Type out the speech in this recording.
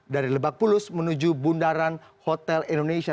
dari lebak bulus menuju bundaran hotel indonesia